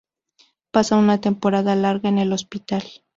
Pasa una temporada larga en el hospital.